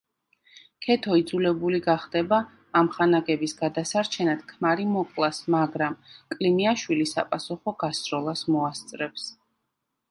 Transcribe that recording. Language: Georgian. ქეთო იძულებული გახდება ამხანაგების გადასარჩენად ქმარი მოკლას, მაგრამ კლიმიაშვილი საპასუხო გასროლას მოასწრებს.